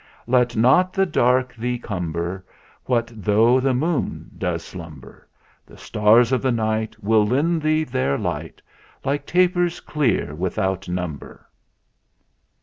in. "Let not the darke thee cumber; What though the Moon does slumber? The Starres of the night Will lend thee their light, Like Tapers cleare without number."